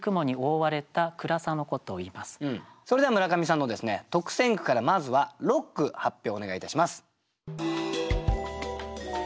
それでは村上さんの特選句からまずは６句発表お願いいたします。